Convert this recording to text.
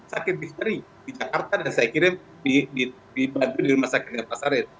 sakit diperi di jakarta dan saya kirim di rumah sakitnya pak azharil